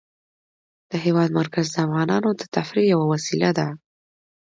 د هېواد مرکز د افغانانو د تفریح یوه وسیله ده.